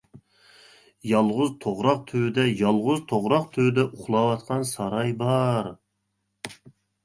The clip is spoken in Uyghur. يالغۇز توغراق تۈۋىدە يالغۇز توغراق تۈۋىدە، ئۇخلاۋاتقان ساراي بار.